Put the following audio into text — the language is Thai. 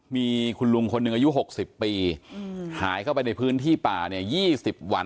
มีคุณลุงคนหนึ่งอายุ๖๐ปีหายเข้าไปในพื้นที่ป่าเนี่ย๒๐วัน